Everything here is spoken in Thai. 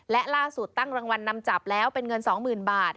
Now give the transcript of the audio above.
และล่าสุดตั้งรางวัลนำจับแล้วเป็นเงิน๒๐๐๐บาท